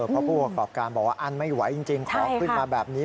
เพราะผู้ประกอบการบอกว่าอั้นไม่ไหวจริงขอขึ้นมาแบบนี้